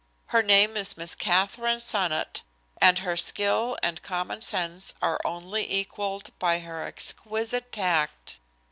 Her name is Miss Katherine Sonnot, and her skill and common sense are only equalled by her exquisite tact.